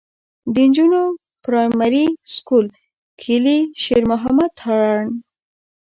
د نجونو پرائمري سکول کلي شېر محمد تارڼ.